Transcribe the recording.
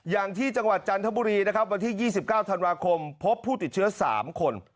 อย่างที่จังหวัดจันทบุรีนะครับวันที่๒๙ธันวาคมพบผู้ติดเชื้อ๓คน